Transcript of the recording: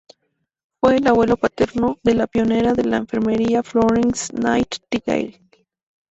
Fue el abuelo paterno de la pionera de la enfermería Florence Nightingale.